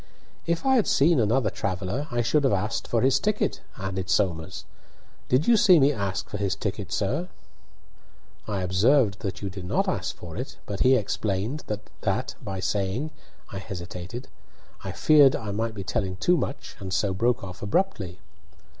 "If I had seen another traveller I should have asked for his ticket," added Somers. "Did you see me ask for his ticket, sir?" "I observed that you did not ask for it, but he explained that by saying " I hesitated. I feared I might be telling too much, and so broke off abruptly.